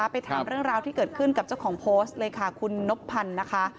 ไปถามเรื่องราวที่เกิดขึ้นกับเจ้าของโพสต์เลยค่ะคุณนบพันธ์นะคะ